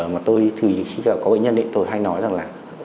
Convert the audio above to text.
mà tôi thì khi có bệnh nhân tôi hay nói rằng là